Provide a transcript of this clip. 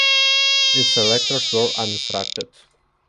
Its electors were uninstructed.